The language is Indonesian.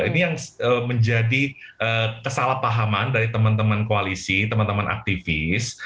ini yang menjadi kesalahpahaman dari teman teman koalisi teman teman aktivis